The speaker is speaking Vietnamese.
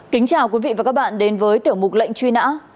kính chào quý vị và các bạn đến với tiểu mục lệnh truy nã